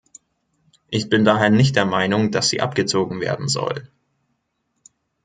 Ich bin daher nicht der Meinung, dass sie abgezogen werden soll.